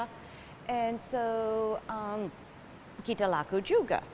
dan jadi kita laku juga